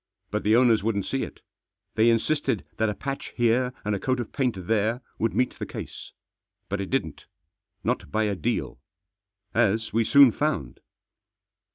But the owners wouldn't see it. They in sisted that a patch here, and a coat of paint there, would meet the case. But it didn't. Not by a deal. As we soon found.